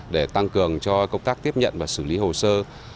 để tăng cường cho công tác tiếp nhận và xử lý hồ sơ